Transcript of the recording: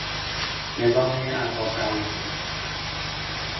نظام ارباب رعیتی